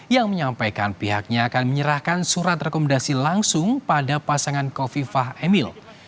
yang menyampaikan pihaknya akan menyerahkan surat rekomendasi langsung pada pasangan kofifah emil